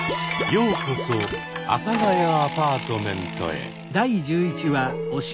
ようこそ「阿佐ヶ谷アパートメント」へ。